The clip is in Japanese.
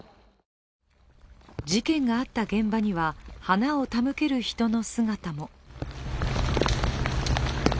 事件があった現場には花を手向ける人の姿も。